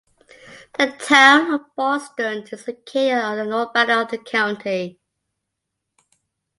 The Town of Boylston is located on the north boundary of the county.